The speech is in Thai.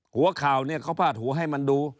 หัวข่าวเนี่ยเขาพาดหัวให้มันดู